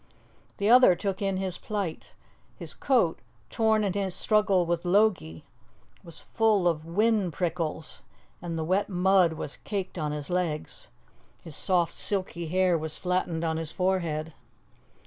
The other took in his plight. His coat, torn in his struggle with Logie, was full of whin prickles, and the wet mud was caked on his legs. His soft, silky hair was flattened on his forehead.